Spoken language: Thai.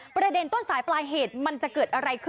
ประเด็นต้นสายปลายเหตุมันจะเกิดอะไรขึ้น